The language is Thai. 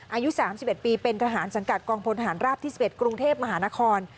อายุ๓๑ปีเป็นทหารสังกัดกองพลทหารราบที่๑๑กรุงเทพมหานคร